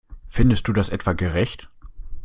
Findest du das etwa gerecht?